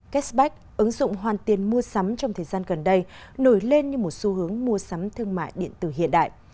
cashback ứng dụng hoàn tiền mua sắm trong thời gian gần đây nổi lên như một xu hướng mua sắm thương mại điện tử hiện đại